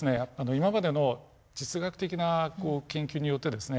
今までの地質学的な研究によってですね